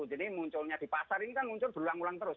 jadi munculnya di pasar ini kan muncul berulang ulang terus